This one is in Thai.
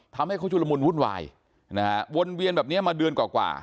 ทำให้เขาชุลมุนวุ่นวายนะฮะวนเวียนแบบนี้มาเดือนกว่า